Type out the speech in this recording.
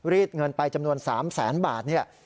ดเงินไปจำนวน๓แสนบาทเนี่ย